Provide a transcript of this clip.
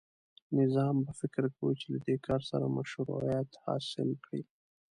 نظام به فکر کوي چې له دې کار سره مشروعیت حاصل کړي.